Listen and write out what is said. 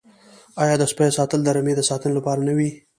آیا د سپیو ساتل د رمې د ساتنې لپاره نه وي؟